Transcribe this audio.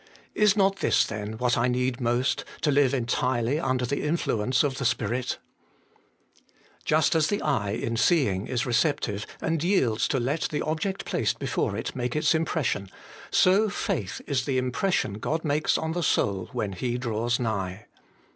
Is not this then what I most need to Hue entirely under the influence of the Spirit ? 4. Just as the eye in seeing is receptive, and yields to let the object placed before it make its impression, so faith is the impression God makes on the soul when He draws nigh.